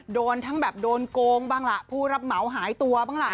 โดนทั้งแบบโดนโกงบ้างล่ะผู้รับเหมาหายตัวบ้างล่ะ